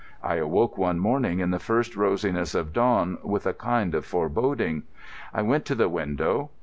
I awoke one morning in the first rosiness of dawn with a kind of foreboding. I went to the window.